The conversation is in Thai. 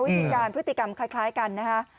วิญญาณพฤติกรรมคล้ายกันนะคะ